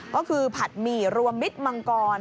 ก็คือผัดหมี่รวมมิตรมังกร